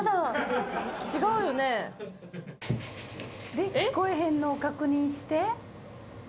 で聞こえへんのを確認して？